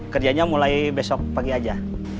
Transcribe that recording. kerjanya mulai besok pagi aja